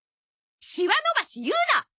シワ伸ばし言うな！